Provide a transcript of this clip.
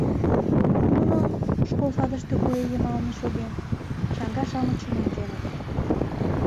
Нуно, школ садыште куэ йымалне шоген, чаҥа-шамычым онченыт.